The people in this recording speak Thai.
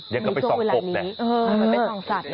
ยังก็ไม่ส่องปบเนี่ย